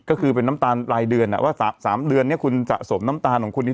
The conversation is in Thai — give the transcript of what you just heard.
ก็คือเป็นน้ำตาลรายเดือนว่า๓เดือนเนี่ยคุณสะสมน้ำตาลของคุณนี้